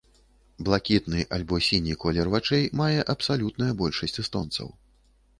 Блакітны альбо сіні колер вачэй мае абсалютная большасць эстонцаў.